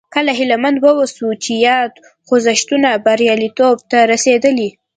کله هیله مند واوسو چې یاد خوځښتونه بریالیتوب ته رسېدلي.